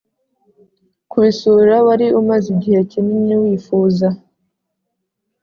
kubisura wari umaze igihe kinini wifuza.